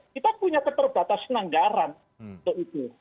kita punya keterbatasan anggaran untuk itu